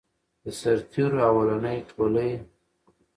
د سرتیرو اولنی ټولۍ.